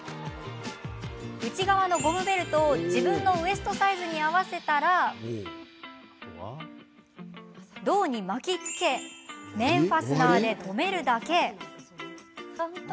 内側のゴムベルトを自分のウエストサイズに合わせたら胴に巻きつけ面ファスナーで留めるだけ。